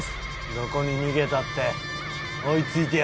どこに逃げたって追い付いてやる。